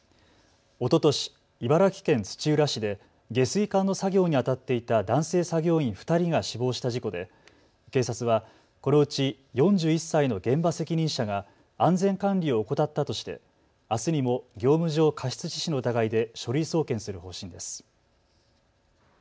おととし茨城県土浦市で下水管の作業にあたっていた男性作業員２人が死亡した事故で警察はこのうち４１歳の現場責任者が安全管理を怠ったとしてあすにも業務上過失致死の疑いで書類送検する方針です。